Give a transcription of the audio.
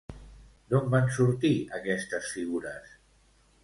D'on van sortir aquestes figures?